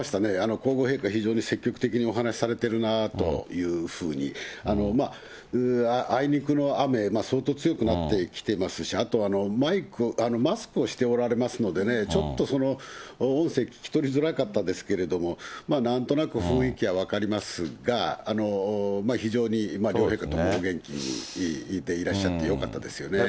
皇后陛下、非常に積極的にお話しされてるなというふうに、あいにくの雨、相当強くなってきてますし、あとはマスクをしておられますのでね、ちょっと音声聞き取りづらかったですけれども、なんとなく雰囲気は分かりますが、非常に両陛下ともお元気でいらっしゃってよかったですよね。